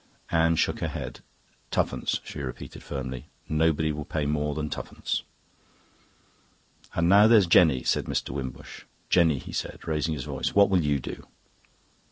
Anne shook her head. "Twopence," she repeated firmly. "Nobody will pay more than twopence." "And now there's Jenny," said Mr Wimbush. "Jenny," he said, raising his voice, "what will you do?"